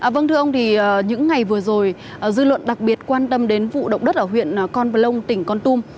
vâng thưa ông những ngày vừa rồi dư luận đặc biệt quan tâm đến vụ động đất ở huyện con bờ lông tỉnh con tùm